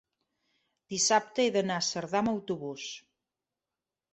Dissabte he d'anar a Cerdà amb autobús.